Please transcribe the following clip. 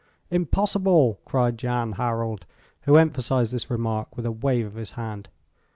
"Impossible," cried Jan Harald, who emphasized this remark with a wave of his hand.